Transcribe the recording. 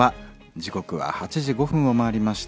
時刻は８時５分を回りました。